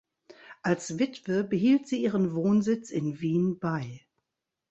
Als Witwe behielt sie ihren Wohnsitz in Wien bei.